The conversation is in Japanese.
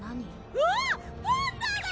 うわっパンダだ！